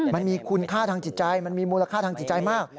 มันมีคุณค่าทางจิตใจมันมีมูลค่าทางจิตใจมาก